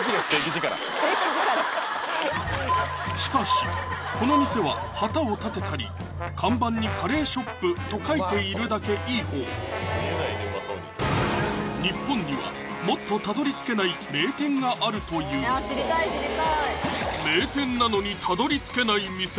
しかしこの店は旗を立てたり看板にカレーショップと書いているだけいいほう日本にはもっと辿り着けない名店があるという名店なのに辿り着けない店